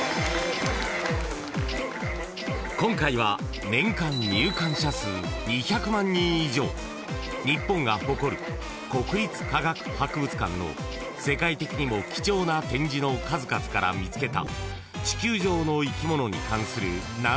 ［今回は年間入館者数２００万人以上日本が誇る国立科学博物館の世界的にも貴重な展示の数々から見つけた地球上の生き物に関する難読漢字３０問］